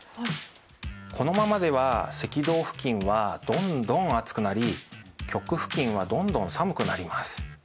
このままでは赤道付近はどんどん暑くなり極付近はどんどん寒くなります。